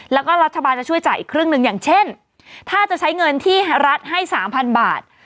แล้วก็รัฐบาลจะช่วยจ่ายอีกครึ่งหนึ่งอย่างเช่นถ้าจะใช้เงินที่รัฐให้สามพันบาท